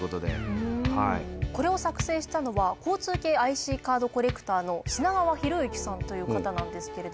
これを作成したのは交通系ＩＣカードコレクターのすながわひろゆきさんという方なんですけれども。